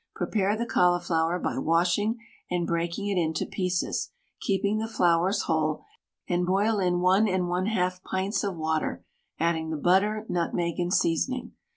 Prepare the cauliflower by washing and breaking it into pieces, keeping the flowers whole, and boil in 1 1/2 pints of water, adding the butter, nutmeg, and seasoning.